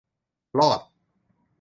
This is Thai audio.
รอด